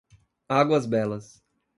Águas Belas